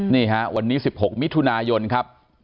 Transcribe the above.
นี่ฮะวันนี้๑๖มิถุนายนครับ